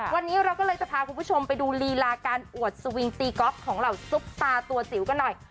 วันนี้เราก็เลยจะพาคุณผู้ชมไปดูลีลาการอวดสวิงตีก๊อฟของเหล่าซุปตาตัวจิ๋วกันหน่อย